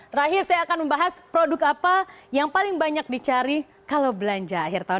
terakhir saya akan membahas produk apa yang paling banyak dicari kalau belanja akhir tahun